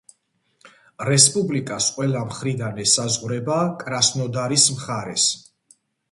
რესპუბლიკას ყველა მხრიდან ესაზღვრება კრასნოდარის მხარეს.